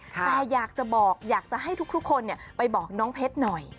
แต่อยากจะบอกอยากจะให้ทุกคนไปบอกน้องเพชรหน่อย